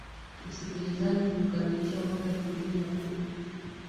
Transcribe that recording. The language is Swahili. msikilizaji kuukamilisha mwaka elfu mbili na kumi